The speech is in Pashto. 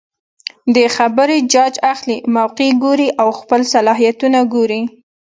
د خبرې جاج اخلي ،موقع ګوري او خپل صلاحيتونه ګوري